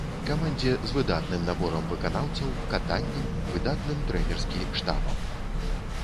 Камандзе з выдатным наборам выканаўцаў, катаннем, выдатным трэнерскі штабам.